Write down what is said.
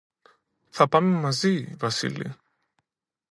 Θα πάμε μαζί, Βασίλη